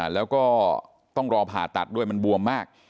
แล้วก็ต้องรอผ่าตัดด้วยมันบวมมาก